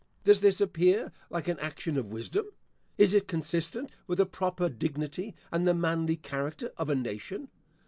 Does this appear like an action of wisdom? Is it consistent with the proper dignity and the manly character of a nation?